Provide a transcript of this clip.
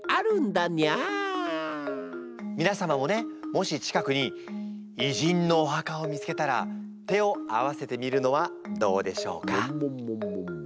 みな様もねもし近くに偉人のお墓を見つけたら手を合わせてみるのはどうでしょうか？